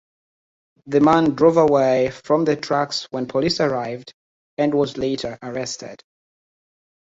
The man drove away from the tracks when police arrived and was later arrested.